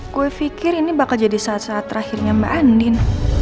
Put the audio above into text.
gue pikir ini bakal jadi saat saat terakhirnya mbak andin